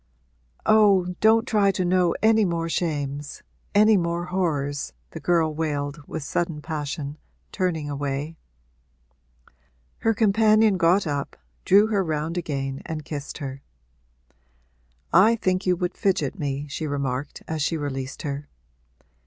'Oh, don't try to know any more shames any more horrors!' the girl wailed with sudden passion, turning away. Her companion got up, drew her round again and kissed her. 'I think you would fidget me,' she remarked as she released her.